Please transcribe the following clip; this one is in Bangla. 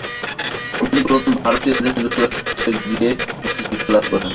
তিনি প্রথম ভারতীয় যিনি যুক্তরাষ্ট্রে গিয়ে উচ্চশিক্ষা লাভ করেন।